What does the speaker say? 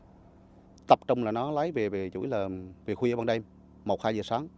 nó tập trung là nó lấy về chủ yếu là về khuya vào đêm một hai giờ sáng